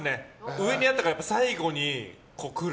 上にあったから最後にくる。